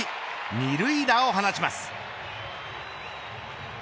二塁打を放ちます。